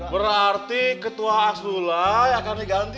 berarti ketua aksulah yang kami ganti